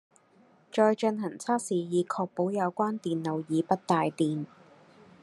再進行測試以確保有關電路已不帶電